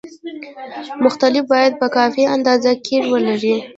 مخلوط باید په کافي اندازه قیر ولري